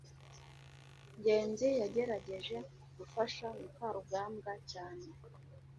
ngenzi yagerageje gufasha mukarugambwa cyane